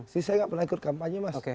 sih saya nggak pernah ikut kampanye mas